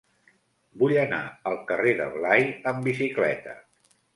Vull anar al carrer de Blai amb bicicleta.